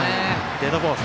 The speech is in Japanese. デッドボール。